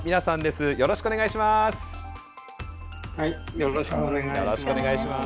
よろしくお願いします。